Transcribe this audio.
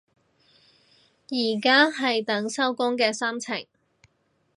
而家係等收工嘅心情